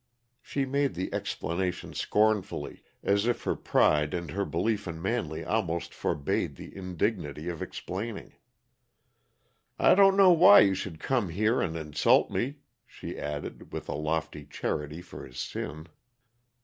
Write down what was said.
She made the explanation scornfully, as if her pride and her belief in Manley almost forbade the indignity of explaining. "I don't know why you should come here and insult me," she added, with a lofty charity for his sin.